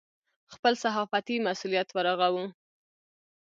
خپل صحافتي مسوولیت ورغوو.